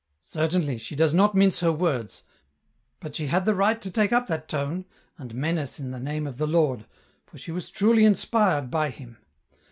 " Certainly, she does not mince her words, but she had the right to take up that tone, aad menace in the name of the Lord, for she was truly inspired by Him.